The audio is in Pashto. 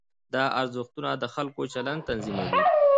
دا ارزښتونه د خلکو چلند تنظیموي.